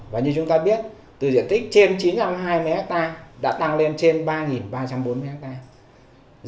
và như chúng ta biết từ diện tích trên chín trăm hai mươi hectare đã tăng lên trên ba ba trăm bốn mươi hectare